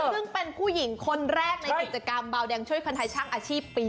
ซึ่งเป็นผู้หญิงคนแรกในกิจกรรมบาวแดงช่วยคนไทยช่างอาชีพปี๒